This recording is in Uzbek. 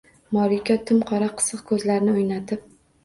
Moriko tim qora qisiq ko‘zlarini o‘ynatib: